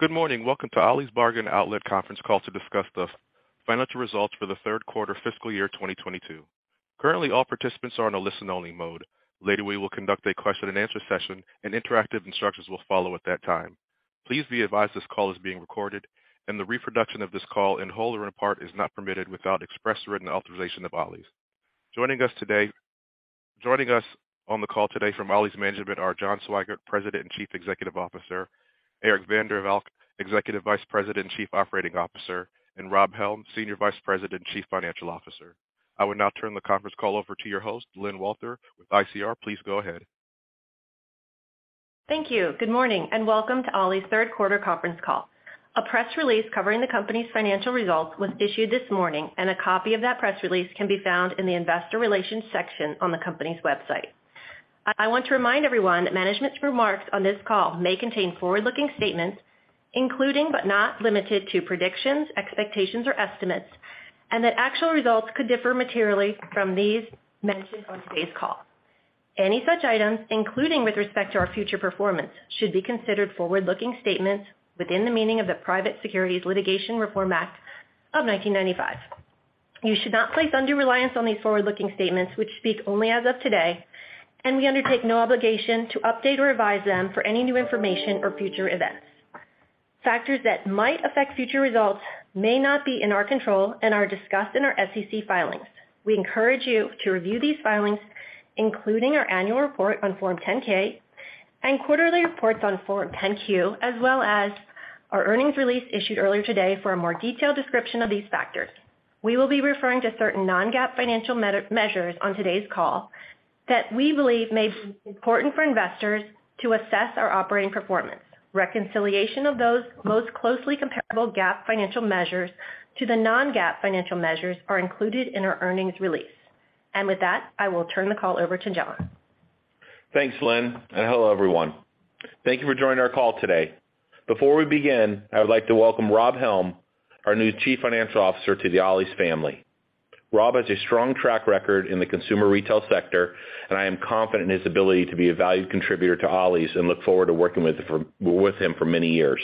Good morning. Welcome to Ollie's Bargain Outlet conference call to discuss the financial results for the third quarter fiscal year 2022. Currently, all participants are on a listen-only mode. Later, we will conduct a question-and-answer session, and interactive instructions will follow at that time. Please be advised this call is being recorded, and the reproduction of this call in whole or in part is not permitted without express written authorization of Ollie's. Joining us on the call today from Ollie's management are John Swygert, President and Chief Executive Officer, Eric van der Valk, Executive Vice President and Chief Operating Officer, and Rob Helm, Senior Vice President and Chief Financial Officer. I would now turn the conference call over to your host, Lyn Walther with ICR. Please go ahead. Thank you. Good morning, and welcome to Ollie's Third Quarter Conference Call. A press release covering the company's financial results was issued this morning, and a copy of that press release can be found in the investor relations section on the company's website. I want to remind everyone that management's remarks on this call may contain forward-looking statements, including but not limited to predictions, expectations, or estimates, and that actual results could differ materially from these mentioned on today's call. Any such items, including with respect to our future performance, should be considered forward-looking statements within the meaning of the Private Securities Litigation Reform Act of 1995. You should not place undue reliance on these forward-looking statements, which speak only as of today, and we undertake no obligation to update or revise them for any new information or future events. Factors that might affect future results may not be in our control and are discussed in our SEC filings. We encourage you to review these filings, including our annual report on Form 10-K and quarterly reports on Form 10-Q, as well as our earnings release issued earlier today for a more detailed description of these factors. We will be referring to certain non-GAAP financial measures on today's call that we believe may be important for investors to assess our operating performance. Reconciliation of those most closely comparable GAAP financial measures to the non-GAAP financial measures are included in our earnings release. With that, I will turn the call over to John. Thanks, Lyn, and hello, everyone. Thank you for joining our call today. Before we begin, I would like to welcome Rob Helm, our new Chief Financial Officer, to the Ollie's family. Rob has a strong track record in the consumer retail sector, and I am confident in his ability to be a valued contributor to Ollie's and look forward to working with him for many years.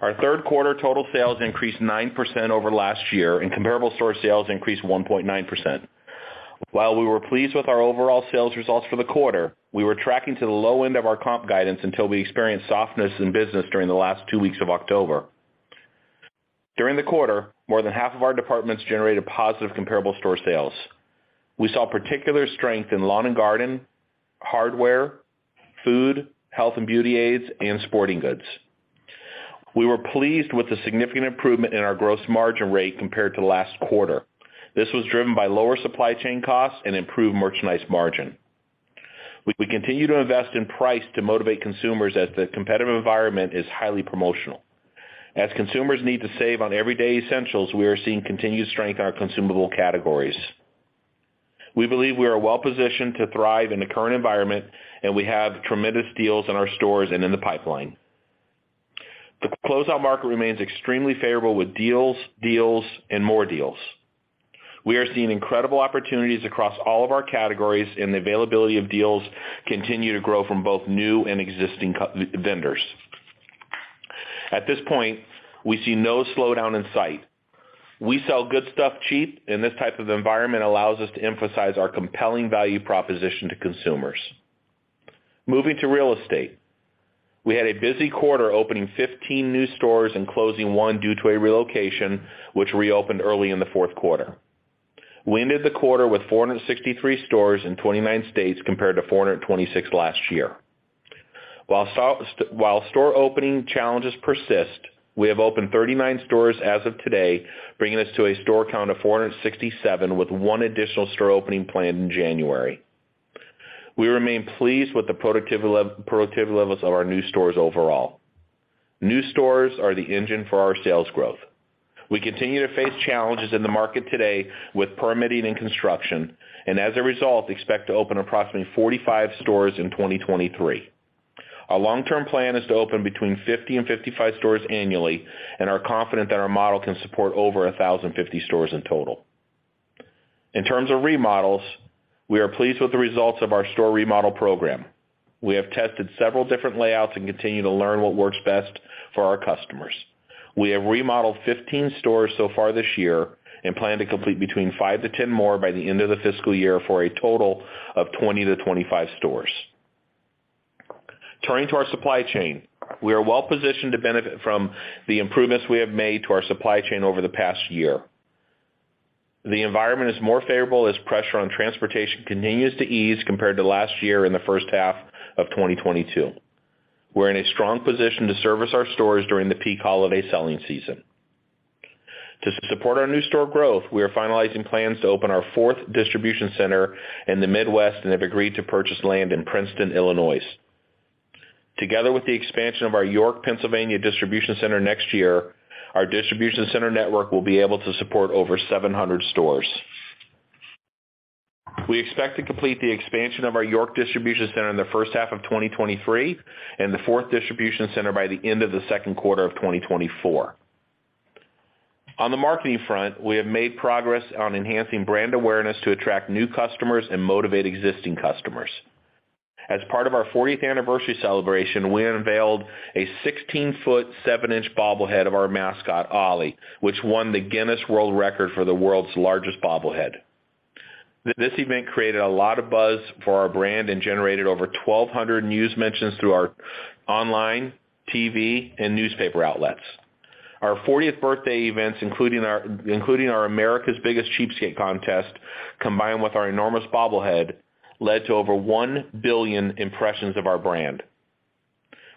Our third quarter total sales increased 9% over last year, and comparable store sales increased 1.9%. While we were pleased with our overall sales results for the quarter, we were tracking to the low end of our comp guidance until we experienced softness in business during the last two weeks of October. During the quarter, more than half of our departments generated positive comparable store sales. We saw particular strength in lawn and garden, hardware, food, health and beauty aids, and sporting goods. We were pleased with the significant improvement in our gross margin rate compared to last quarter. This was driven by lower supply chain costs and improved merchandise margin. We continue to invest in price to motivate consumers as the competitive environment is highly promotional. As consumers need to save on everyday essentials, we are seeing continued strength in our consumable categories. We believe we are well-positioned to thrive in the current environment, and we have tremendous deals in our stores and in the pipeline. The closeout market remains extremely favorable with deals, and more deals. We are seeing incredible opportunities across all of our categories, and the availability of deals continue to grow from both new and existing vendors. At this point, we see no slowdown in sight. We sell good stuff cheap. This type of environment allows us to emphasize our compelling value proposition to consumers. Moving to real estate. We had a busy quarter, opening 15 new stores and closing one due to a relocation, which reopened early in the fourth quarter. We ended the quarter with 463 stores in 29 states, compared to 426 last year. While store opening challenges persist, we have opened 39 stores as of today, bringing us to a store count of 467, with one additional store opening planned in January. We remain pleased with the productivity levels of our new stores overall. New stores are the engine for our sales growth. We continue to face challenges in the market today with permitting and construction and as a result, expect to open approximately 45 stores in 2023. Our long-term plan is to open between 50 and 55 stores annually and are confident that our model can support over 1,050 stores in total. In terms of remodels, we are pleased with the results of our store remodel program. We have tested several different layouts and continue to learn what works best for our customers. We have remodeled 15 stores so far this year and plan to complete between five to 10 more by the end of the fiscal year, for a total of 20-25 stores. Turning to our supply chain. We are well positioned to benefit from the improvements we have made to our supply chain over the past year. The environment is more favorable as pressure on transportation continues to ease compared to last year in the first half of 2022. We're in a strong position to service our stores during the peak holiday selling season. To support our new store growth, we are finalizing plans to open our fourth distribution center in the Midwest and have agreed to purchase land in Princeton, Illinois. Together with the expansion of our York, Pennsylvania, distribution center next year, our distribution center network will be able to support over 700 stores. We expect to complete the expansion of our York distribution center in the first half of 2023 and the fourth distribution center by the end of the second quarter of 2024. On the marketing front, we have made progress on enhancing brand awareness to attract new customers and motivate existing customers. As part of our 40th anniversary celebration, we unveiled a 16 ft 7 in bobblehead of our mascot, Ollie, which won the Guinness World Records for the world's largest bobblehead. This event created a lot of buzz for our brand and generated over 1,200 news mentions through our online, TV, and newspaper outlets. Our 40th birthday events, including our America's Biggest Cheapskate contest, combined with our enormous bobblehead, led to over 1 billion impressions of our brand.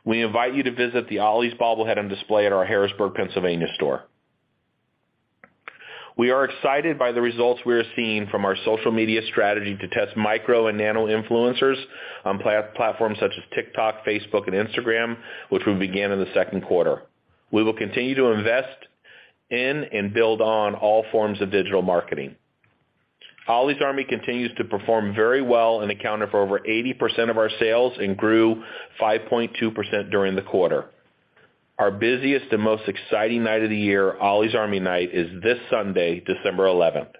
We invite you to visit the Ollie's bobblehead on display at our Harrisburg, Pennsylvania store. We are excited by the results we are seeing from our social media strategy to test micro and nano influencers on platforms such as TikTok, Facebook, and Instagram, which we began in the second quarter. We will continue to invest in and build on all forms of digital marketing. Ollie's Army continues to perform very well and accounted for over 80% of our sales and grew 5.2% during the quarter. Our busiest and most exciting night of the year, Ollie's Army Night, is this Sunday, December 11th.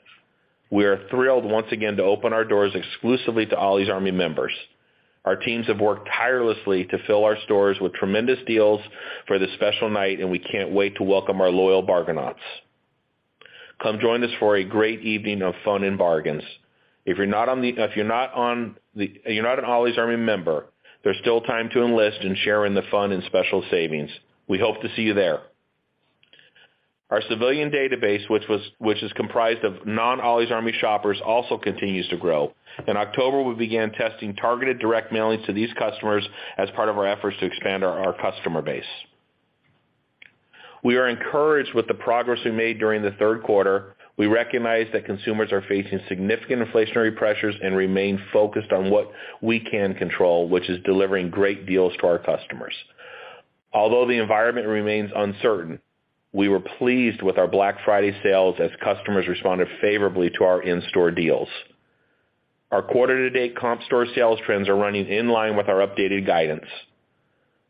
We are thrilled once again to open our doors exclusively to Ollie's Army members. Our teams have worked tirelessly to fill our stores with tremendous deals for this special night, and we can't wait to welcome our loyal Bargainauts. Come join us for a great evening of fun and bargains. If you're not an Ollie's Army member, there's still time to enlist and share in the fun and special savings. We hope to see you there. Our civilian database, which is comprised of non-Ollie's Army shoppers, also continues to grow. In October, we began testing targeted direct mailings to these customers as part of our efforts to expand our customer base. We are encouraged with the progress we made during the third quarter. We recognize that consumers are facing significant inflationary pressures and remain focused on what we can control, which is delivering great deals to our customers. Although the environment remains uncertain, we were pleased with our Black Friday sales as customers responded favorably to our in-store deals. Our quarter to date comparable store sales trends are running in line with our updated guidance.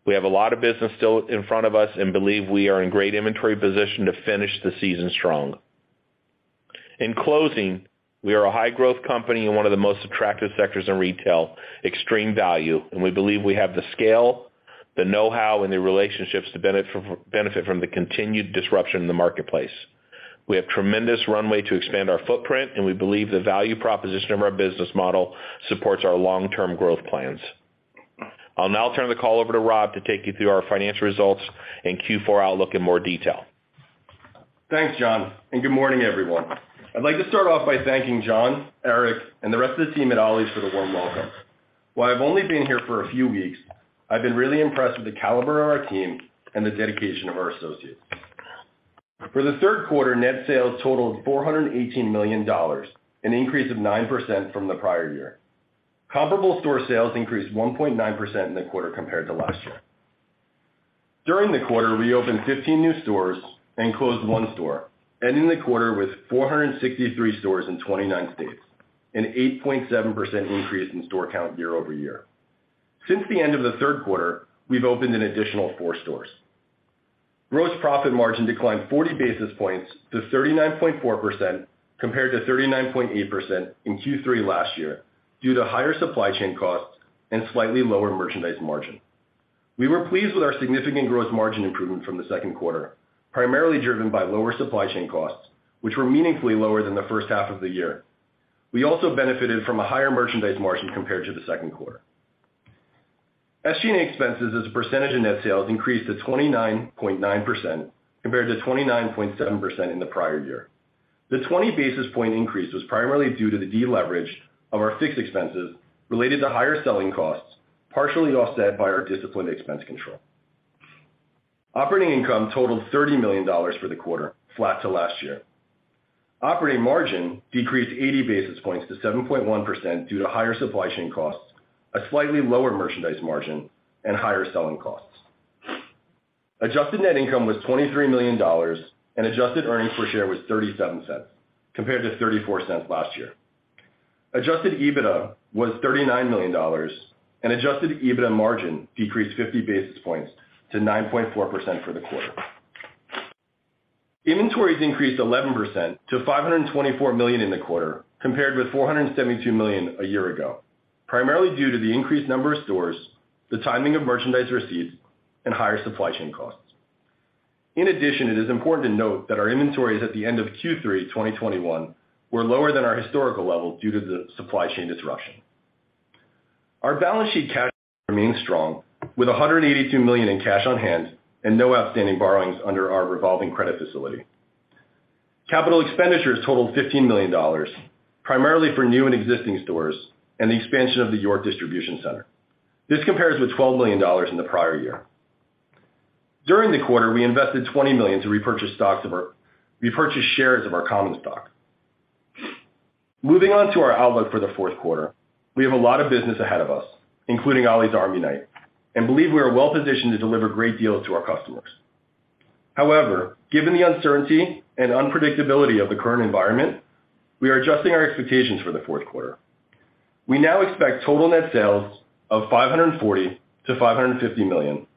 We have a lot of business still in front of us and believe we are in great inventory position to finish the season strong. In closing, we are a high growth company in one of the most attractive sectors in retail, extreme value, and we believe we have the scale, the know-how, and the relationships to benefit from the continued disruption in the marketplace. We have tremendous runway to expand our footprint, and we believe the value proposition of our business model supports our long-term growth plans. I'll now turn the call over to Rob to take you through our financial results and Q4 outlook in more detail. Thanks, John. Good morning, everyone. I'd like to start off by thanking John, Eric, and the rest of the team at Ollie's for the warm welcome. While I've only been here for a few weeks, I've been really impressed with the caliber of our team and the dedication of our associates. For the third quarter, net sales totaled $418 million, an increase of 9% from the prior year. Comparable store sales increased 1.9% in the quarter compared to last year. During the quarter, we opened 15 new stores and closed one store, ending the quarter with 463 stores in 29 states, an 8.7% increase in store count year-over-year. Since the end of the third quarter, we've opened an additional four stores. Gross profit margin declined 40 basis points to 39.4% compared to 39.8% in Q3 last year due to higher supply chain costs and slightly lower merchandise margin. We were pleased with our significant gross margin improvement from the second quarter, primarily driven by lower supply chain costs, which were meaningfully lower than the first half of the year. We also benefited from a higher merchandise margin compared to the second quarter. SG&A expenses as a percentage of net sales increased to 29.9% compared to 29.7% in the prior year. The 20 basis point increase was primarily due to the deleverage of our fixed expenses related to higher selling costs, partially offset by our disciplined expense control. Operating income totaled $30 million for the quarter, flat to last year. Operating margin decreased 80 basis points to 7.1% due to higher supply chain costs, a slightly lower merchandise margin, and higher selling costs. Adjusted net income was $23 million, and adjusted earnings per share was $0.37 compared to $0.34 last year. Adjusted EBITDA was $39 million, and Adjusted EBITDA margin decreased 50 basis points to 9.4% for the quarter. Inventories increased 11% to $524 million in the quarter, compared with $472 million a year ago, primarily due to the increased number of stores, the timing of merchandise receipts, and higher supply chain costs. In addition, it is important to note that our inventories at the end of Q3 2021 were lower than our historical level due to the supply chain disruption. Our balance sheet cash remains strong with $182 million in cash on hand and no outstanding borrowings under our revolving credit facility. Capital expenditures totaled $15 million, primarily for new and existing stores and the expansion of the York Distribution Center. This compares with $12 million in the prior year. During the quarter, we invested $20 million to repurchase shares of our common stock. Moving on to our outlook for the fourth quarter, we have a lot of business ahead of us, including Ollie's Army Night, and believe we are well-positioned to deliver great deals to our customers. However, given the uncertainty and unpredictability of the current environment, we are adjusting our expectations for the fourth quarter. We now expect total net sales of $540 million-$550 million.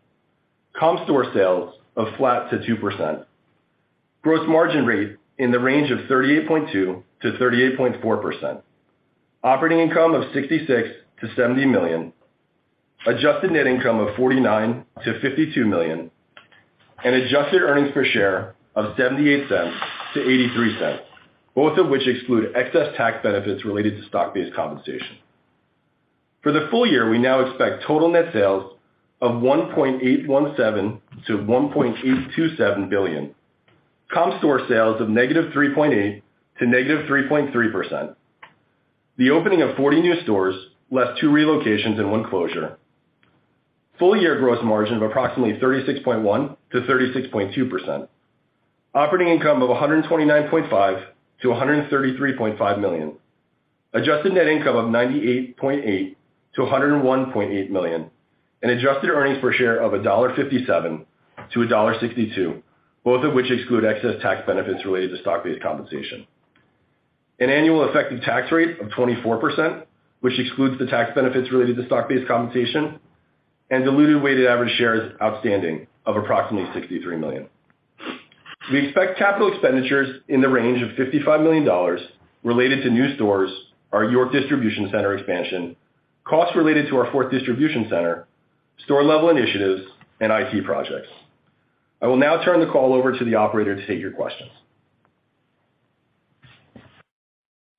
Com store sales of flat-2%. Gross margin rate in the range of 38.2%-38.4%. Operating income of $66 million-$70 million. Adjusted net income of $49 million-$52 million. Adjusted earnings per share of $0.78-$0.83, both of which exclude excess tax benefits related to stock-based compensation. For the full year, we now expect total net sales of $1.817 billion-$1.827 billion. Com store sales of -3.8% to -3.3%. The opening of 40 new stores left two relocations and one closure. Full year gross margin of approximately 36.1%-36.2%. Operating income of $129.5 million-$133.5 million. Adjusted net income of $98.8 million-$101.8 million. Adjusted earnings per share of $1.57-$1.62, both of which exclude excess tax benefits related to stock-based compensation. An annual effective tax rate of 24%, which excludes the tax benefits related to stock-based compensation and diluted weighted average shares outstanding of approximately 63 million. We expect capital expenditures in the range of $55 million related to new stores, our York distribution center expansion, costs related to our fourth distribution center, store level initiatives, and IT projects. I will now turn the call over to the operator to take your questions.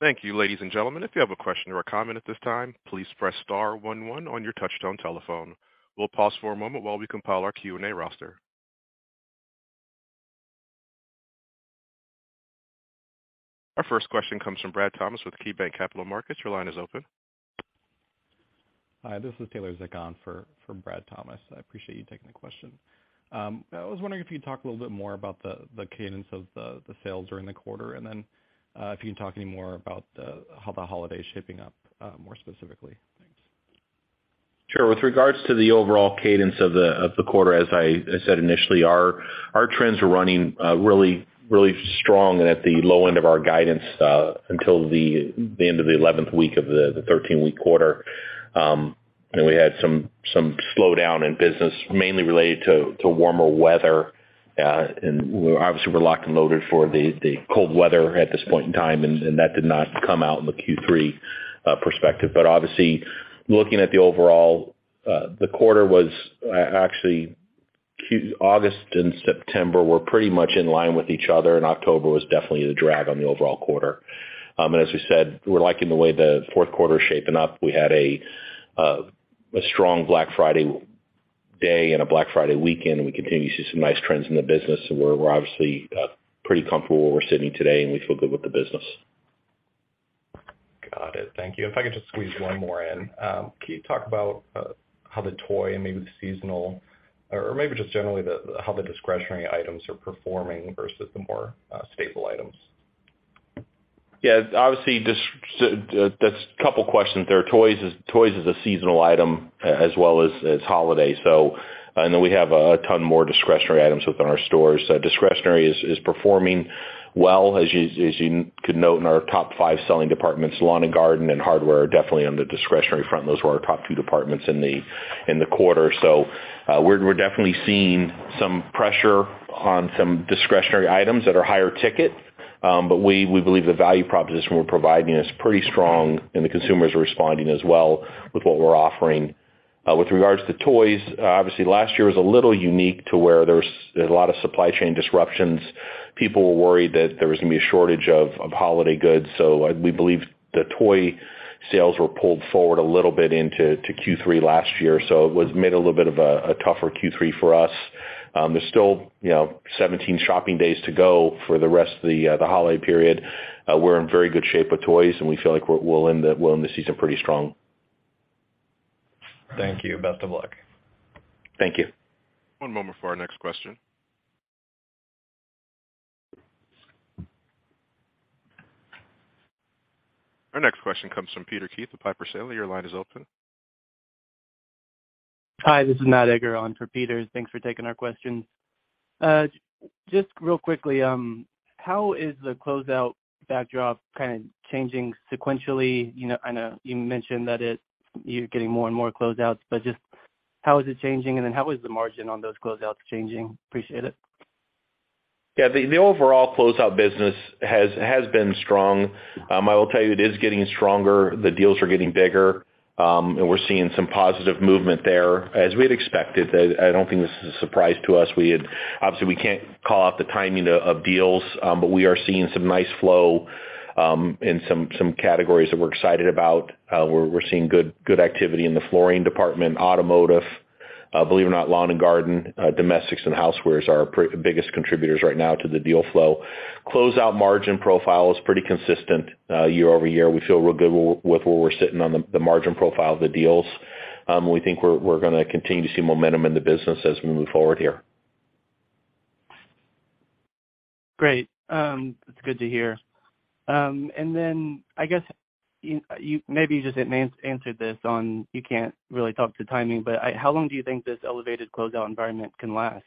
Thank you. Ladies and gentlemen, if you have a question or a comment at this time, please press star one one on your touchtone telephone. We'll pause for a moment while we compile our Q&A roster. Our first question comes from Brad Thomas with KeyBanc Capital Markets. Your line is open. Hi, this is Taylor Zick for Brad Thomas. I appreciate you taking the question. I was wondering if you could talk a little bit more about the cadence of the sales during the quarter and if you can talk any more about how the holiday is shaping up more specifically. Thanks. Sure. With regards to the overall cadence of the quarter, as I said initially, our trends are running really, really strong and at the low end of our guidance until the end of the 11th week of the 13-week quarter. We had some slowdown in business mainly related to warmer weather. We obviously we're locked and loaded for the cold weather at this point in time, and that did not come out in the Q3 perspective. Obviously looking at the overall, the quarter was actually August and September were pretty much in line with each other and October was definitely the drag on the overall quarter. As we said, we're liking the way the fourth quarter is shaping up. We had a strong Black Friday day and a Black Friday weekend and we continue to see some nice trends in the business. We're obviously, pretty comfortable where we're sitting today and we feel good with the business. Got it. Thank you. If I could just squeeze one more in. Can you talk about how the toy and maybe the seasonal or maybe just generally how the discretionary items are performing versus the more stable items? Obviously, That's couple questions there. Toys is a seasonal item as well as holiday. We have a ton more discretionary items within our stores. Discretionary is performing well as you could note in our top five selling departments, lawn and garden and hardware are definitely on the discretionary front. Those were our top two departments in the quarter. We're definitely seeing some pressure on some discretionary items that are higher ticket. We believe the value proposition we're providing is pretty strong and the consumer is responding as well with what we're offering. With regards to toys, obviously last year was a little unique to where there was a lot of supply chain disruptions. People were worried that there was gonna be a shortage of holiday goods. We believe the toy sales were pulled forward a little bit into Q3 last year. Made a little bit of a tougher Q3 for us. There's still, you know, 17 shopping days to go for the rest of the holiday period. We're in very good shape with toys and we feel like we'll end the season pretty strong. Thank you. Best of luck. Thank you. One moment for our next question. Our next question comes from Peter Keith of Piper Sandler. Your line is open. Hi, this is Matt Edgar on for Peter. Thanks for taking our questions. Just real quickly, how is the closeout backdrop kind of changing sequentially? You know, I know you mentioned that you're getting more and more closeouts but just how is it changing and then how is the margin on those closeouts changing? Appreciate it. The overall closeout business has been strong. I will tell you it is getting stronger. The deals are getting bigger, and we're seeing some positive movement there as we had expected. I don't think this is a surprise to us. Obviously we can't call out the timing of deals, but we are seeing some nice flow in some categories that we're excited about. We're seeing good activity in the flooring department, automotive, believe it or not, lawn and garden. Domestics and housewares are our biggest contributors right now to the deal flow. Closeout margin profile is pretty consistent year-over-year. We feel real good with where we're sitting on the margin profile of the deals. We think we're gonna continue to see momentum in the business as we move forward here. Great. That's good to hear. I guess you maybe you just answered this on you can't really talk to timing, but how long do you think this elevated closeout environment can last?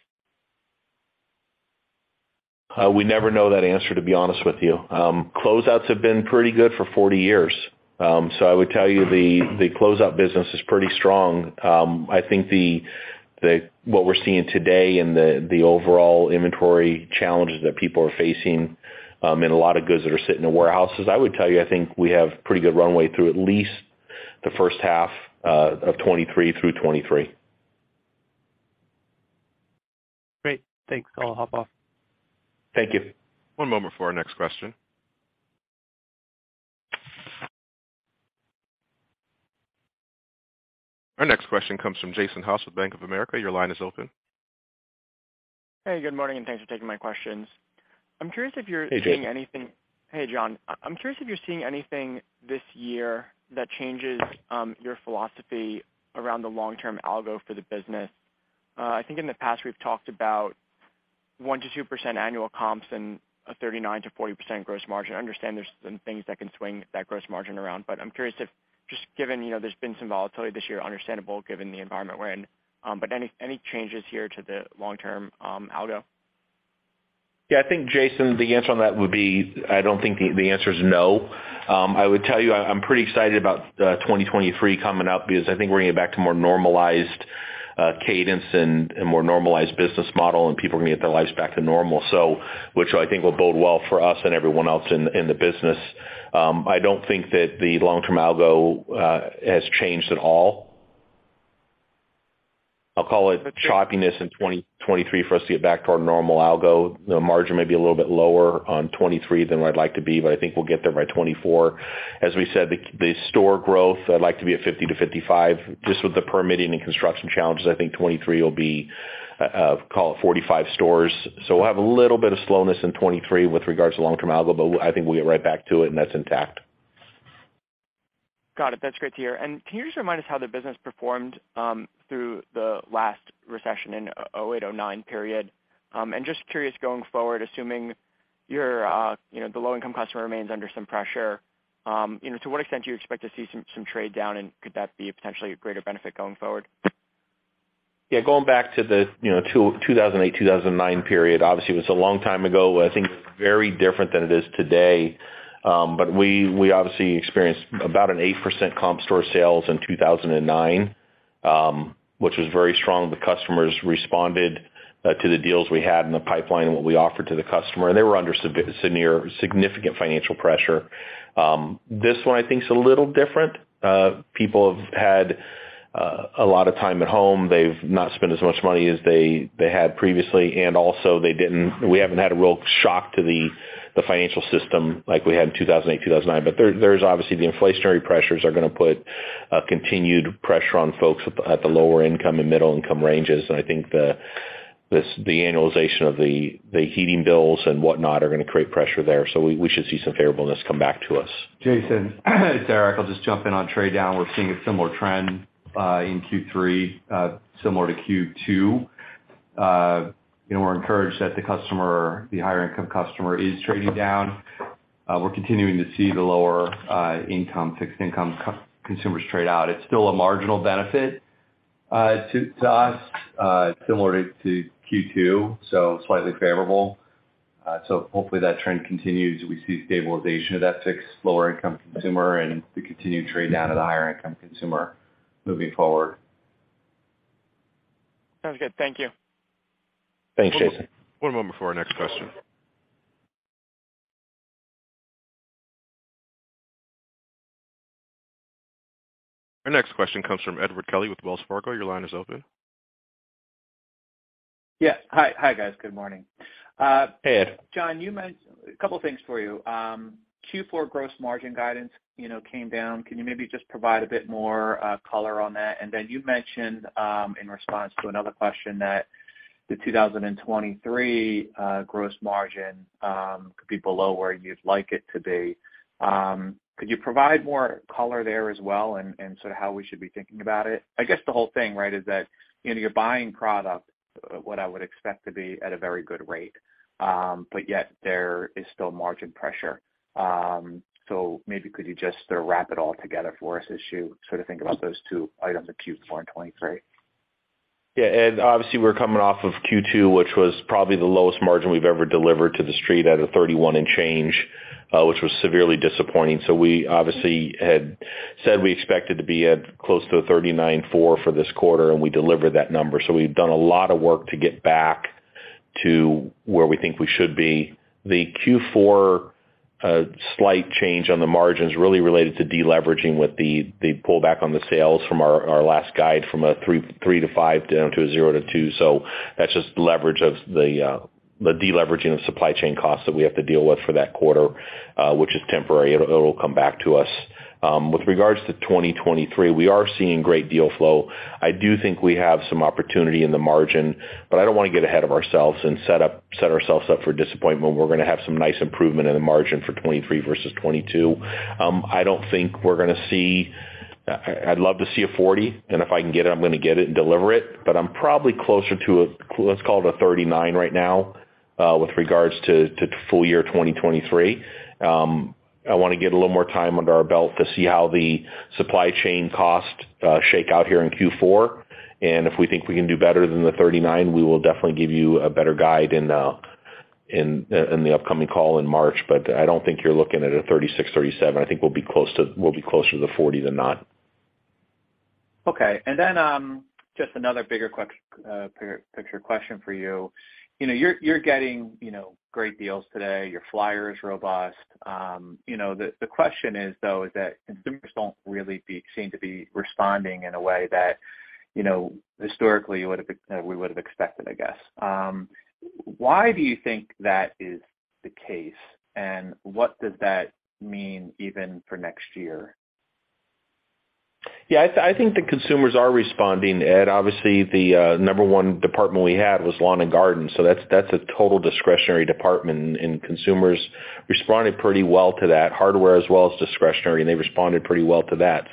We never know that answer, to be honest with you. Closeouts have been pretty good for 40 years. I would tell you the closeout business is pretty strong. I think what we're seeing today in the overall inventory challenges that people are facing, in a lot of goods that are sitting in warehouses, I would tell you, I think we have pretty good runway through at least the first half of 2023 through 2023. Great. Thanks. I'll hop off. Thank you. One moment for our next question. Our next question comes from Jason Haas with Bank of America. Your line is open. Hey, good morning, and thanks for taking my questions. I'm curious if. Hey, Jason. -Seeing anything... Hey, John. I'm curious if you're seeing anything this year that changes your philosophy around the long-term algo for the business? I think in the past, we've talked about 1%-2% annual comps and a 39%-40% gross margin. I understand there's some things that can swing that gross margin around, but I'm curious if just given, you know, there's been some volatility this year, understandable given the environment we're in, but any changes here to the long-term algo? Yeah, I think, Jason, the answer on that would be, I don't think the answer is no. I would tell you, I'm pretty excited about 2023 coming up because I think we're gonna get back to more normalized cadence and more normalized business model, and people are gonna get their lives back to normal. Which I think will bode well for us and everyone else in the business. I don't think that the long-term algo has changed at all. I'll call it choppiness in 2023 for us to get back to our normal algo. The margin may be a little bit lower on 2023 than where I'd like to be, but I think we'll get there by 2024. As we said, the store growth, I'd like to be at 50-55. Just with the permitting and construction challenges, I think 2023 will be, call it 45 stores. We'll have a little bit of slowness in 2023 with regards to long-term algo, but I think we'll get right back to it and that's intact. Got it. That's great to hear. Can you just remind us how the business performed through the last recession in 2008-2009 period? Just curious going forward, assuming your, you know, the low income customer remains under some pressure, you know, to what extent do you expect to see some trade down, and could that be potentially a greater benefit going forward? Yeah. Going back to the, you know, 2008, 2009 period, obviously it was a long time ago. I think it was very different than it is today. We obviously experienced about an 8% comparable store sales in 2009, which was very strong. The customers responded to the deals we had in the pipeline and what we offered to the customer, and they were under significant financial pressure. This one I think is a little different. People have had a lot of time at home. They've not spent as much money as they had previously, and also we haven't had a real shock to the financial system like we had in 2008, 2009. There's obviously the inflationary pressures are gonna put continued pressure on folks at the lower income and middle income ranges. I think the annualization of the heating bills and whatnot are gonna create pressure there. We should see some favorableness come back to us. Jason, it's Eric. I'll just jump in on trade down. We're seeing a similar trend in Q3, similar to Q2. You know, we're encouraged that the customer, the higher income customer is trading down. We're continuing to see the lower income, fixed income consumers trade out. It's still a marginal benefit to us, similar to Q2, so slightly favorable. Hopefully that trend continues. We see stabilization of that fixed lower income consumer and the continued trade down of the higher income consumer moving forward. Sounds good. Thank you. Thanks, Jason. One moment for our next question. Our next question comes from Edward Kelly with Wells Fargo. Your line is open. Yeah. Hi. Hi, guys. Good morning. Hey, Ed. John, you mentioned. A couple things for you. Q4 gross margin guidance, you know, came down. Can you maybe just provide a bit more color on that? You mentioned, in response to another question, that the 2023 gross margin could be below where you'd like it to be. Could you provide more color there as well and sort of how we should be thinking about it? I guess the whole thing, right, is that, you know, you're buying product, what I would expect to be at a very good rate, but yet there is still margin pressure. Maybe could you just sort of wrap it all together for us as you sort of think about those two items of Q4 and 2023? Yeah. Ed, obviously, we're coming off of Q2, which was probably the lowest margin we've ever delivered to the street at a 31 and change, which was severely disappointing. We obviously had said we expected to be at close to a 39.4 for this quarter, and we delivered that number. We've done a lot of work to get back to where we think we should be. The Q4 slight change on the margins really related to deleveraging with the pullback on the sales from our last guide from a 3%-5% down to a 0%-2%. That's just leverage of the deleveraging of supply chain costs that we have to deal with for that quarter, which is temporary. It'll come back to us. With regards to 2023, we are seeing great deal flow. I do think we have some opportunity in the margin, but I don't wanna get ahead of ourselves and set ourselves up for disappointment. We're gonna have some nice improvement in the margin for 2023 versus 2022. I don't think we're gonna see. I'd love to see a 40%, and if I can get it, I'm gonna get it and deliver it, but I'm probably closer to let's call it a 39% right now, with regards to full year 2023. I wanna get a little more time under our belt to see how the supply chain costs shake out here in Q4. If we think we can do better than the 39%, we will definitely give you a better guide in the upcoming call in March, but I don't think you're looking at a 36%, 37%. I think we'll be closer to the 40% than not. Okay. Just another bigger picture question for you. You know, you're getting, you know, great deals today. Your flyer is robust. You know, the question is though, is that consumers don't really seem to be responding in a way that, you know, historically we would have expected, I guess. Why do you think that is the case, and what does that mean even for next year? I think the consumers are responding, Ed. The number one department we had was lawn and garden, so that's a total discretionary department, consumers responded pretty well to that. Hardware as well is discretionary, they responded pretty well to that.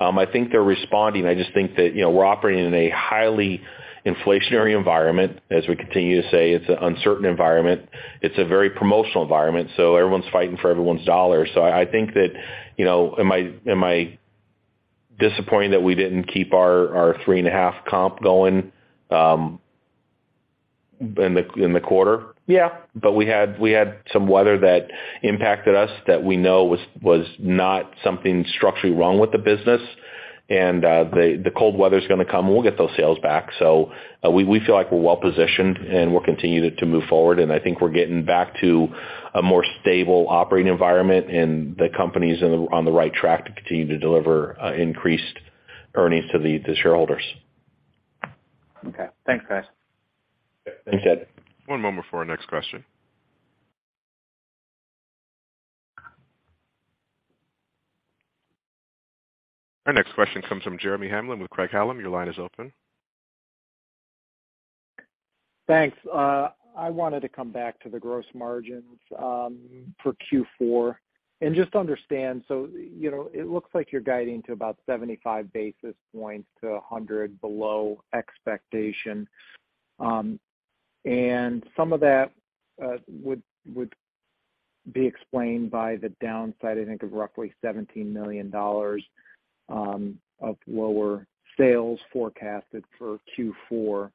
I think they're responding. I just think that, you know, we're operating in a highly inflationary environment, as we continue to say. It's an uncertain environment. It's a very promotional environment, everyone's fighting for everyone's dollar. I think that, you know, am I disappointed that we didn't keep our 3.5 comp going in the quarter? Yeah. We had some weather that impacted us that we know was not something structurally wrong with the business. The cold weather's gonna come, and we'll get those sales back. We feel like we're well positioned, and we'll continue to move forward. I think we're getting back to a more stable operating environment and the company's on the right track to continue to deliver increased earnings to the shareholders. Okay. Thanks, guys. Thanks, Ed. One moment for our next question. Our next question comes from Jeremy Hamblin with Craig-Hallum. Your line is open. Thanks. I wanted to come back to the gross margins for Q4 and just understand. You know, it looks like you're guiding to about 75 basis points to 100 below expectation. Some of that would be explained by the downside, I think, of roughly $17 million of lower sales forecasted for Q4.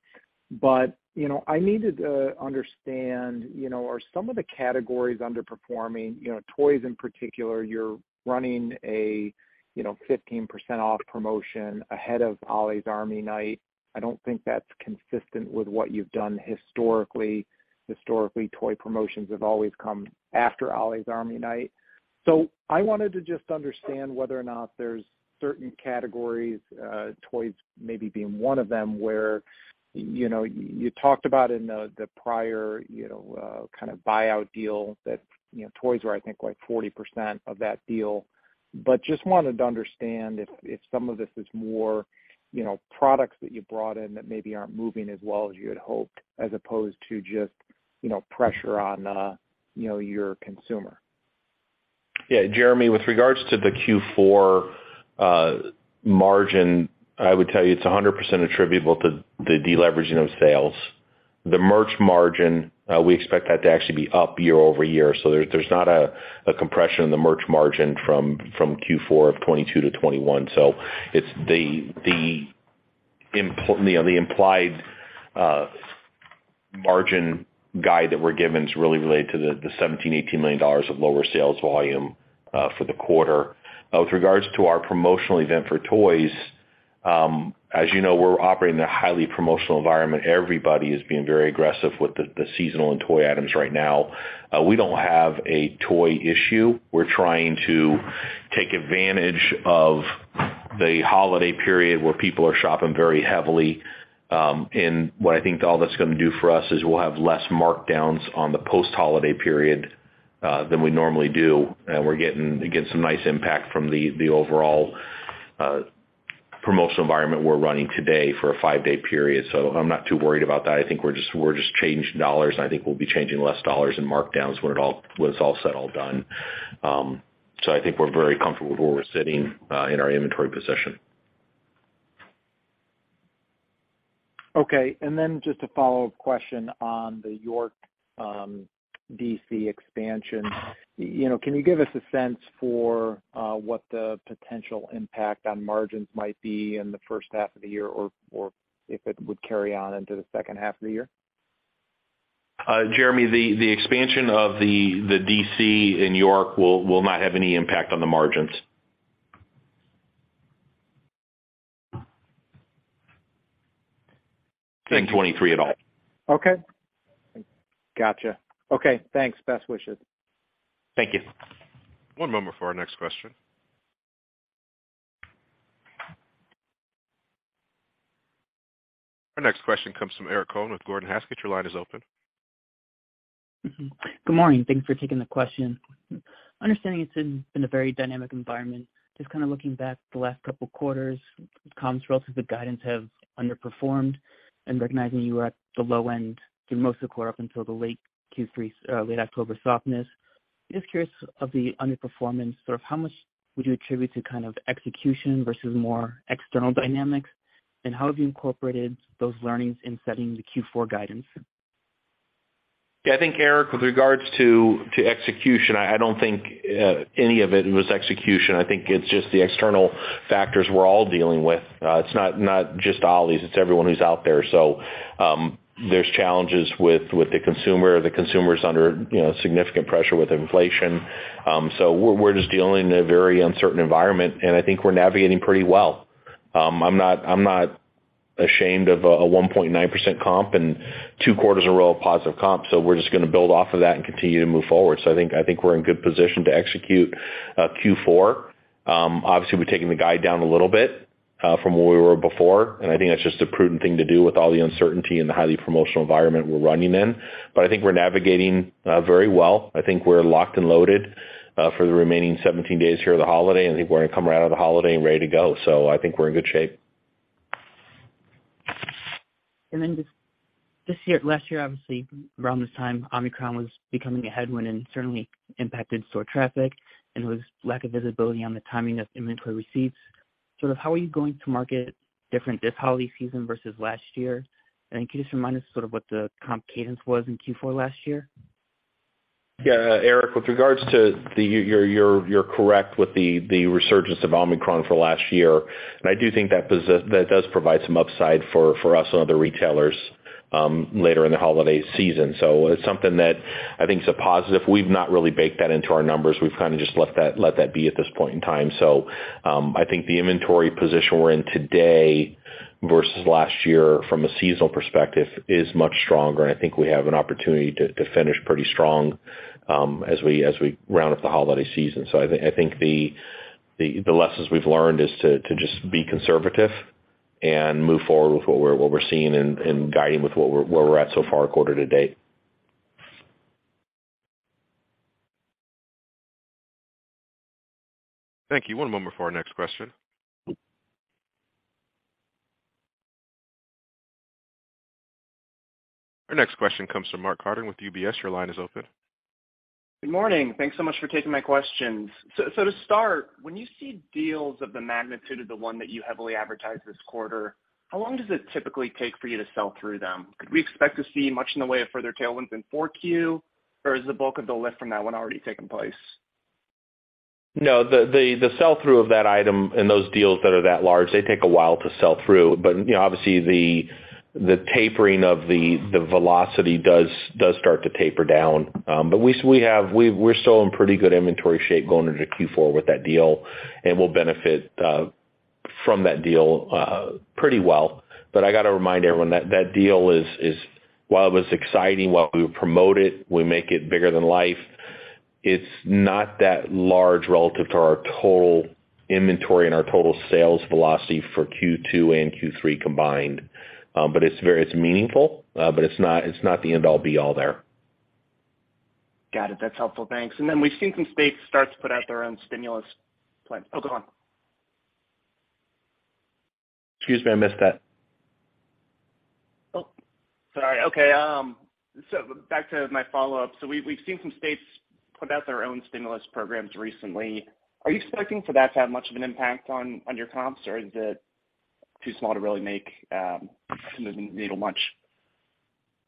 You know, I needed to understand, you know, are some of the categories underperforming? You know, toys in particular, you're running a, you know, 15% off promotion ahead of Ollie's Army Night. I don't think that's consistent with what you've done historically. Historically, toy promotions have always come after Ollie's Army Night. I wanted to just understand whether or not there's certain categories, toys maybe being one of them, where, you know, you talked about in the prior, you know, kind of buyout deal that, you know, toys were, I think, like 40% of that deal. Just wanted to understand if some of this is more, you know, products that you brought in that maybe aren't moving as well as you had hoped, as opposed to just, you know, pressure on, you know, your consumer. Yeah. Jeremy, with regards to the Q4 margin, I would tell you it's 100% attributable to the deleveraging of sales. The merchandise margin, we expect that to actually be up year-over-year. There's not a compression in the merchandise margin from Q4 of 2022-2021. It's, you know, the implied margin guide that we're given is really related to the $17 million-$18 million of lower sales volume for the quarter. With regards to our promotional event for toys, as you know, we're operating in a highly promotional environment. Everybody is being very aggressive with the seasonal and toy items right now. We don't have a toy issue. We're trying to take advantage of the holiday period where people are shopping very heavily. What I think all that's gonna do for us is we'll have less markdowns on the post-holiday period than we normally do. We're getting, again, some nice impact from the overall promotional environment we're running today for a five-day period. I'm not too worried about that. I think we're just changing dollars. I think we'll be changing less dollars in markdowns when it's all said, all done. I think we're very comfortable with where we're sitting in our inventory position. Okay. Then just a follow-up question on the York DC expansion. You know, can you give us a sense for what the potential impact on margins might be in the first half of the year or if it would carry on into the second half of the year? Jeremy, the expansion of the DC in York will not have any impact on the margins. In 2023 at all. Okay. Gotcha. Okay, thanks. Best wishes. Thank you. One moment for our next question. Our next question comes from Eric Cohen with Gordon Haskett. Your line is open. Good morning. Thanks for taking the question. Understanding it's been a very dynamic environment, just kinda looking back the last couple quarters, comps relative to guidance have underperformed and recognizing you were at the low end through most of the quarter up until the late Q3, late October softness. Just curious of the underperformance, sort of how much would you attribute to kind of execution versus more external dynamics? How have you incorporated those learnings in setting the Q4 guidance? Yeah, I think, Eric, with regards to execution, I don't think any of it was execution. I think it's just the external factors we're all dealing with. It's not just Ollie's, it's everyone who's out there. There's challenges with the consumer. The consumer's under, you know, significant pressure with inflation. We're just dealing in a very uncertain environment, and I think we're navigating pretty well. I'm not ashamed of a 1.9% comp and two quarters in a row of positive comp. We're just gonna build off of that and continue to move forward. I think we're in good position to execute Q4. Obviously we're taking the guide down a little bit, from where we were before. I think that's just a prudent thing to do with all the uncertainty and the highly promotional environment we're running in. I think we're navigating very well. I think we're locked and loaded for the remaining 17 days here of the holiday. I think we're gonna come right out of the holiday and ready to go. I think we're in good shape. Just last year, obviously, around this time, Omicron was becoming a headwind and certainly impacted store traffic, and it was lack of visibility on the timing of inventory receipts. Sort of how are you going to market different this holiday season versus last year? Can you just remind us sort of what the comp cadence was in Q4 last year? Eric, you're correct with the resurgence of Omicron for last year. I do think that that does provide some upside for us and other retailers later in the holiday season. It's something that I think is a positive. We've not really baked that into our numbers. We've kind of just left that, let that be at this point in time. I think the inventory position we're in today versus last year from a seasonal perspective is much stronger, and I think we have an opportunity to finish pretty strong as we round up the holiday season. I think the lessons we've learned is to just be conservative and move forward with what we're seeing and guiding with where we're at so far quarter to date. Thank you. One moment for our next question. Our next question comes from Mark Carden with UBS. Your line is open. Good morning. Thanks so much for taking my questions. To start, when you see deals of the magnitude of the one that you heavily advertised this quarter, how long does it typically take for you to sell through them? Could we expect to see much in the way of further tailwinds in 4Q, or has the bulk of the lift from that one already taken place? The sell-through of that item and those deals that are that large, they take a while to sell through. You know, obviously the tapering of the velocity does start to taper down. We're still in pretty good inventory shape going into Q4 with that deal and will benefit from that deal pretty well. I got to remind everyone that that deal is while it was exciting, while we promote it, we make it bigger than life, it's not that large relative to our total inventory and our total sales velocity for Q2 and Q3 combined. It's very meaningful, but it's not the end-all be-all there. Got it. That's helpful. Thanks. We've seen some states start to put out their own stimulus plan. Go on. Excuse me, I missed that. Oh, sorry. Okay, back to my follow-up. We've seen some states put out their own stimulus programs recently. Are you expecting for that to have much of an impact on your comps, or is it too small to really make move the needle much?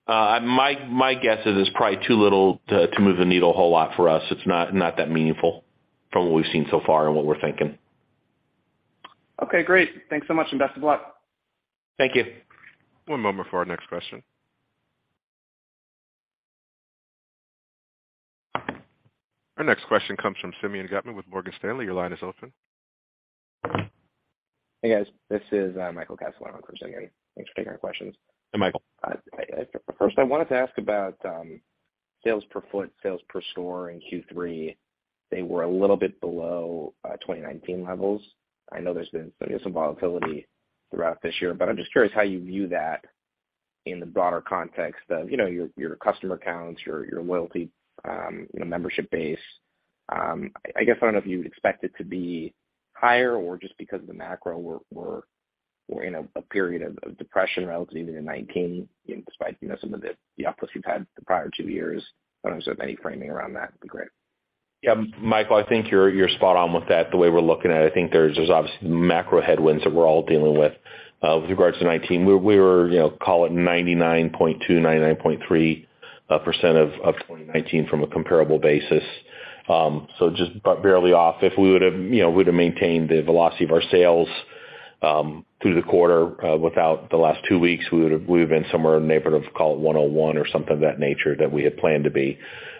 My guess is it's probably too little to move the needle a whole lot for us. It's not that meaningful from what we've seen so far and what we're thinking. Okay, great. Thanks so much, and best of luck. Thank you. One moment for our next question. Our next question comes from Simeon Gutman with Morgan Stanley. Your line is open. Hey, guys, this is Michael Kessler for Simeon. Thanks for taking our questions. Hi, Michael. First I wanted to ask about sales per foot, sales per store in Q3. They were a little bit below 2019 levels. I know there's been some volatility throughout this year, but I'm just curious how you view that in the broader context of, you know, your customer counts, your loyalty membership base. I guess I don't know if you would expect it to be higher or just because of the macro we're in a period of depression relative even in 2019, despite, you know, some of the upwards you've had the prior two years. I don't know if there's any framing around that. Be great. Yeah, Michael, I think you're spot on with that the way we're looking at it. I think there's obviously macro headwinds that we're all dealing with. With regards to 2019, we were, you know, call it 99.2%, 99.3% of 2019 from a comparable basis. Just but barely off. If we would've, you know, we would've maintained the velocity of our sales through the quarter without the last two weeks, we would've, we would've been somewhere in the neighborhood of call it 101% or something of that nature that we had planned to be.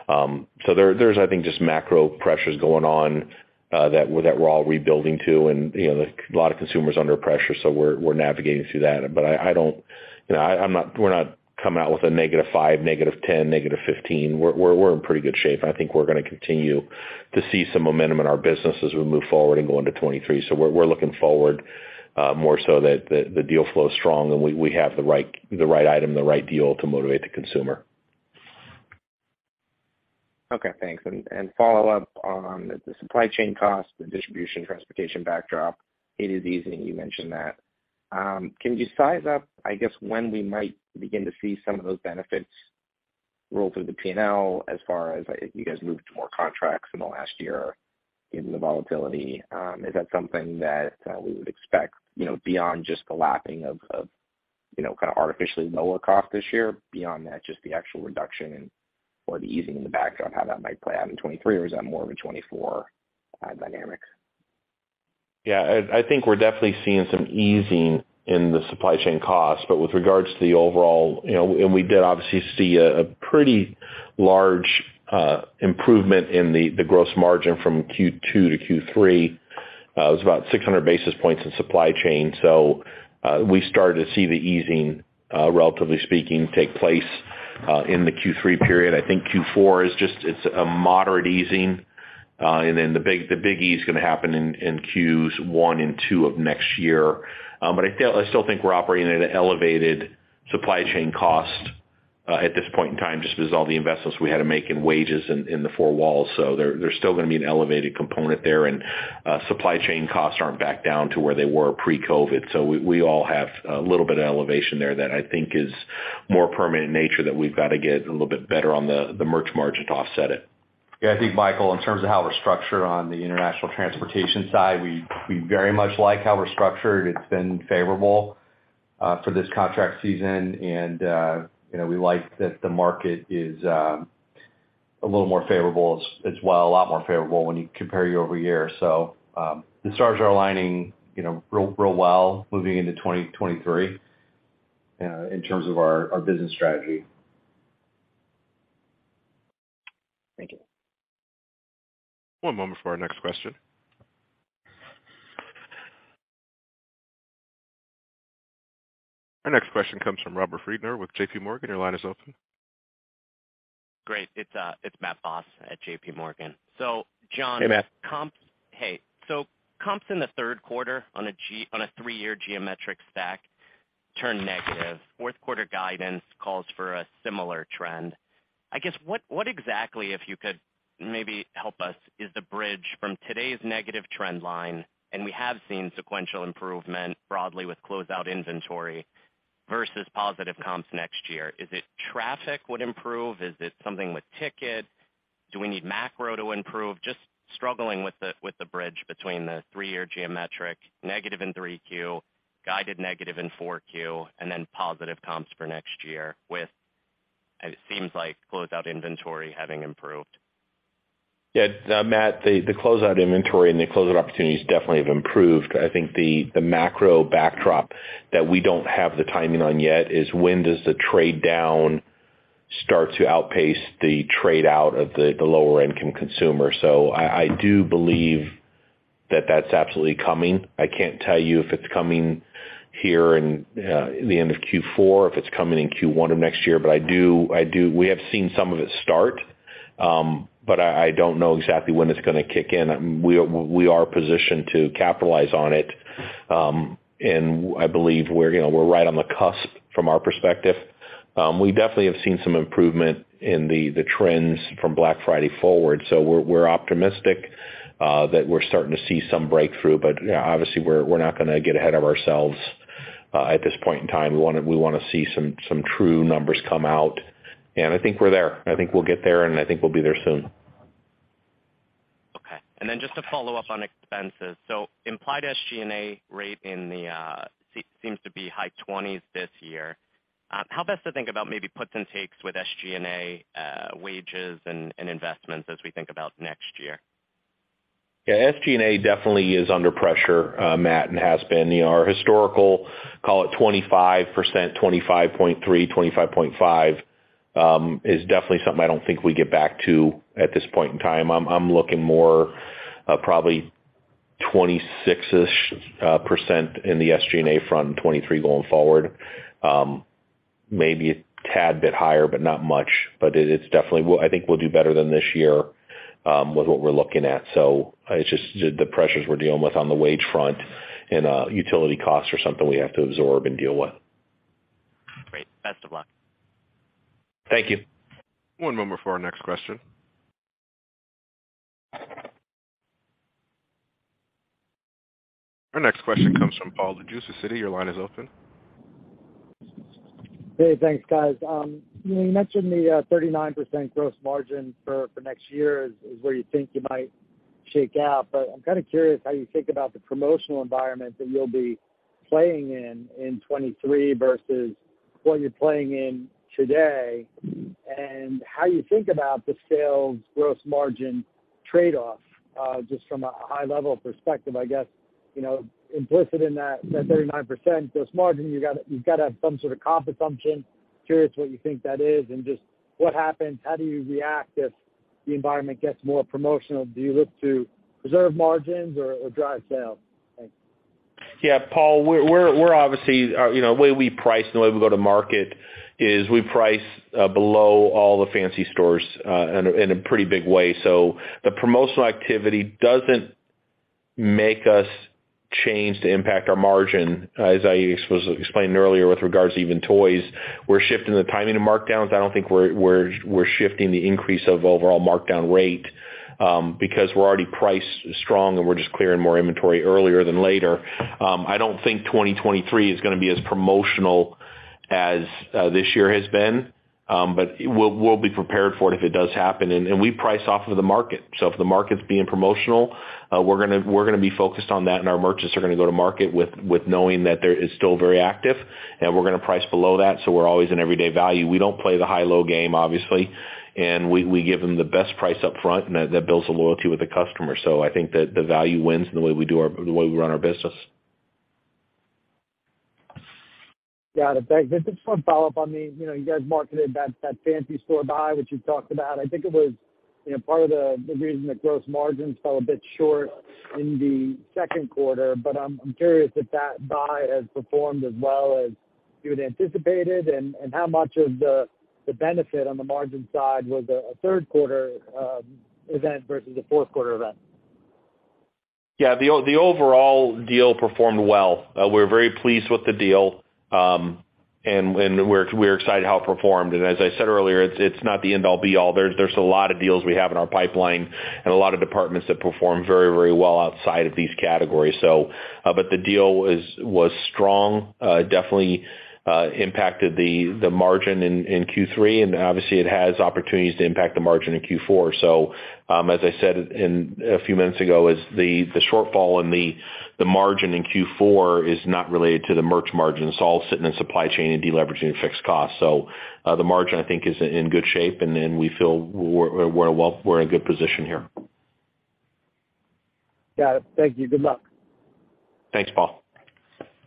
There, there's I think just macro pressures going on that we're, that we're all rebuilding to. You know, a lot of consumers under pressure, we're navigating through that. I don't... You know, we're not coming out with a -5, -10, -15. We're in pretty good shape. I think we're gonna continue to see some momentum in our business as we move forward and go into 2023. We're looking forward more so that the deal flow is strong and we have the right item, the right deal to motivate the consumer. Okay, thanks. Follow up on the supply chain costs, the distribution, transportation backdrop. It is easing, you mentioned that. Can you size up, I guess, when we might begin to see some of those benefits roll through the P&L as far as you guys moved to more contracts in the last year? In the volatility, is that something that we would expect, you know, beyond just the lapping of, you know, kind of artificially lower cost this year? Beyond that, just the actual reduction or the easing in the backdrop, how that might play out in 2023, or is that more of a 2024 dynamic? I think we're definitely seeing some easing in the supply chain costs. With regards to the overall, you know, and we did obviously see a pretty large improvement in the gross margin from Q2 to Q3. It was about 600 basis points in supply chain. We started to see the easing, relatively speaking, take place in the Q3 period. I think Q4 is just, it's a moderate easing. Then the big ease is gonna happen in Q1 and Q2 of next year. I still think we're operating at an elevated supply chain cost at this point in time, just because all the investments we had to make in wages in the four walls. There's still gonna be an elevated component there and supply chain costs aren't back down to where they were pre-COVID. We all have a little bit of elevation there that I think is more permanent in nature that we've got to get a little bit better on the merchandise margin to offset it. I think, Michael, in terms of how we're structured on the international transportation side, we very much like how we're structured. It's been favorable for this contract season and, you know, we like that the market is a little more favorable as well, a lot more favorable when you compare year-over-year. The stars are aligning, you know, real well moving into 2023 in terms of our business strategy. Thank you. One moment for our next question. Our next question comes from Robert Friedner with JPMorgan. Your line is open. Great. It's Matt Boss at J.P. Morgan. John. Hey, Matt. Comps, hey. Comps in the third quarter on a three-year geometric stack turned negative. Fourth quarter guidance calls for a similar trend. I guess, what exactly, if you could maybe help us, is the bridge from today's negative trend line, and we have seen sequential improvement broadly with closeout inventory versus positive comps next year. Is it traffic would improve? Is it something with ticket? Do we need macro to improve? Just struggling with the bridge between the three-year geometric negative in 3Q, guided negative in 4Q, and then positive comps for next year with, it seems like closeout inventory having improved. Matt, the closeout inventory and the closeout opportunities definitely have improved. I think the macro backdrop that we don't have the timing on yet is when does the trade down start to outpace the trade out of the lower income consumer. I do believe that that's absolutely coming. I can't tell you if it's coming here in the end of Q4, if it's coming in Q1 of next year. We have seen some of it start. I don't know exactly when it's gonna kick in. We are positioned to capitalize on it. I believe we're, you know, we're right on the cusp from our perspective. We definitely have seen some improvement in the trends from Black Friday forward. We're optimistic that we're starting to see some breakthrough. Obviously, we're not gonna get ahead of ourselves at this point in time. We wanna see some true numbers come out, and I think we're there. I think we'll get there, and I think we'll be there soon. Just to follow up on expenses. Implied SG&A rate in the seems to be high 20s this year. How best to think about maybe puts and takes with SG&A, wages and investments as we think about next year? SG&A definitely is under pressure, Matt Boss, and has been. You know, our historical, call it 25%, 25.3%, 25.5%, is definitely something I don't think we get back to at this point in time. I'm looking more, probably 26%-ish percent in the SG&A front, 23% going forward. Maybe a tad bit higher, not much. It's definitely, I think we'll do better than this year with what we're looking at. It's just the pressures we're dealing with on the wage front and utility costs are something we have to absorb and deal with. Great. Best of luck. Thank you. One moment for our next question. Our next question comes from Paul Lejuez of Citi. Your line is open. Hey, thanks, guys. You mentioned the 39% gross margin for next year is where you think you might shake out, but I'm kinda curious how you think about the promotional environment that you'll be playing in in 2023 versus what you're playing in today and how you think about the sales gross margin trade-off just from a high level perspective. I guess, you know, implicit in that 39% gross margin, you gotta have some sort of comp assumption. Curious what you think that is and just what happens. How do you react if the environment gets more promotional? Do you look to preserve margins or drive sales? Thanks. Yeah, Paul, we're obviously, you know, the way we price and the way we go to market is we price below all the fancy stores in a pretty big way. The promotional activity doesn't make us change to impact our margin. As I explained earlier with regards to even toys, we're shifting the timing of markdowns. I don't think we're shifting the increase of overall markdown rate because we're already priced strong and we're just clearing more inventory earlier than later. I don't think 2023 is gonna be as promotional as this year has been. We'll be prepared for it if it does happen, and we price off of the market. If the market's being promotional, we're gonna be focused on that. Our merchants are gonna go to market with knowing that there is still very active and we're gonna price below that. We're always in everyday value. We don't play the high-low game, obviously. We give them the best price up front and that builds the loyalty with the customer. I think that the value wins and the way we run our business. Got it. Just one follow-up on the, you know, you guys marketed that fancy store buy, which you talked about. I think it was, you know, part of the reason the gross margins fell a bit short in the second quarter, but I'm curious if that buy has performed as well as you had anticipated and how much of the benefit on the margin side was a third quarter event versus a fourth quarter event? Yeah. The overall deal performed well. We're very pleased with the deal, and we're excited how it performed. As I said earlier, it's not the end all be all. There's a lot of deals we have in our pipeline and a lot of departments that perform very, very well outside of these categories. But the deal was strong, definitely impacted the margin in Q3, and obviously it has opportunities to impact the margin in Q4. As I said a few minutes ago, the shortfall in the margin in Q4 is not related to the merchandise margin. It's all sitting in supply chain and deleveraging fixed costs. The margin I think is in good shape and then we feel we're in a good position here. Got it. Thank you. Good luck. Thanks, Paul.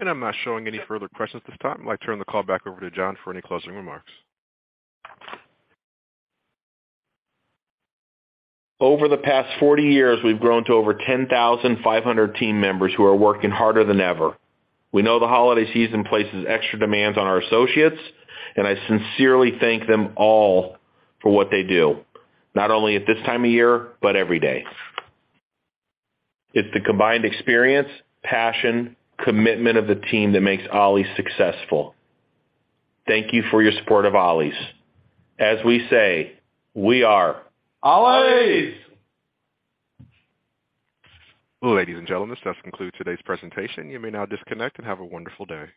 I'm not showing any further questions at this time. I'd like to turn the call back over to John for any closing remarks. Over the past 40 years, we've grown to over 10,500 team members who are working harder than ever. We know the holiday season places extra demands on our associates, I sincerely thank them all for what they do, not only at this time of year, but every day. It's the combined experience, passion, commitment of the team that makes Ollie's successful. Thank you for your support of Ollie's. As we say, we are Ollie's. Ladies and gentlemen, this does conclude today's presentation. You may now disconnect and have a wonderful day.